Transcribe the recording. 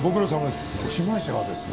被害者はですね